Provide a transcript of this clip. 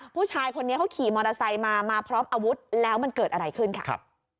ผู้ชายคนนี้เขาขี่มอเตอร์ไซค์มามาพร้อมอาวุธแล้วมันเกิดอะไรขึ้นค่ะครับ